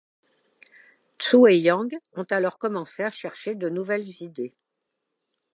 Zhu et Yang ont alors commencé à chercher de nouvelles idées.